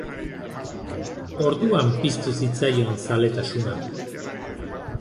Orduan piztu zitzaion zaletasuna.